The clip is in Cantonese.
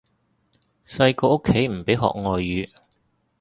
細個屋企唔俾學外語